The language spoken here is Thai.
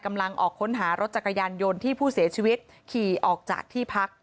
ออกค้นหารถจักรยานยนต์ที่ผู้เสียชีวิตขี่ออกจากที่พัก